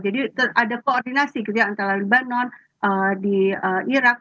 jadi ada koordinasi gitu ya antara libanon di irak